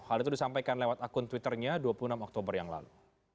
hal itu disampaikan lewat akun twitternya dua puluh enam oktober yang lalu